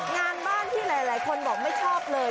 งานบ้านที่หลายคนบอกไม่ชอบเลย